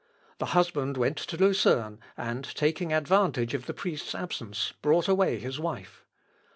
The husband went to Lucerne and taking advantage of the priest's absence brought away his wife.